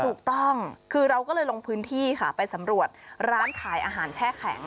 ถูกต้องคือเราก็เลยลงพื้นที่ค่ะไปสำรวจร้านขายอาหารแช่แข็ง